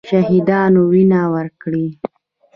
شهیدانو وینه ورکړې.